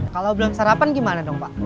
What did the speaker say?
kalau belum sarapan gimana dong pak